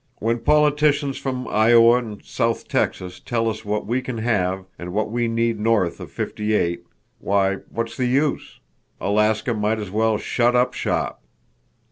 When politicians from Iowa and south Texas tell us what we can have and what we need north of Fifty eight—why, what's the use? Alaska might as well shut up shop!"